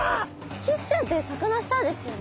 キスちゃんってサカナスターですよね。